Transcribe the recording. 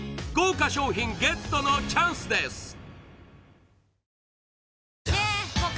豪華賞品ＧＥＴのチャンスです